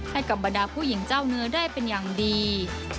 ให้กับบรรดาผู้หญิงเจ้าเนื้อได้เป็นอย่างดี